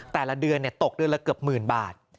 แต่ละเดือนตกเดือนละเกือบหมื่นบาท